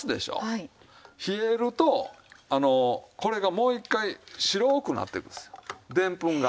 冷えるとこれがもう一回白くなってくるんですよでんぷんが。